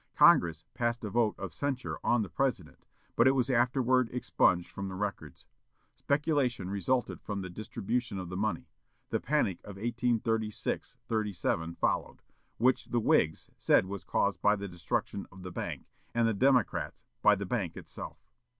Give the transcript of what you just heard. Congress passed a vote of censure on the President, but it was afterward expunged from the records. Speculation resulted from the distribution of the money; the panic of 1836 37 followed, which the Whigs said was caused by the destruction of the bank, and the Democrats by the bank itself.